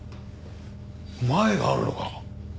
マエがあるのか。